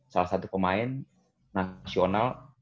salah satu pemain nasional